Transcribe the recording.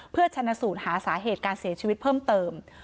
เพื่อชนะสูตรหาสาเหตุการเสียชีวิตเพิ่มเติม